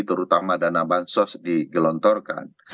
terutama dana bansos digelontorkan